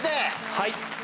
はい。